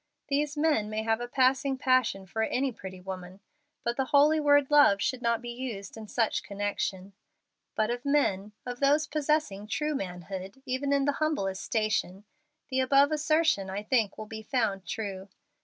These men may have a passing passion for any pretty woman; but the holy word Love should not be used in such connection. But of men of those possessing true manhood, even in humblest station the above assertion I think will be found true.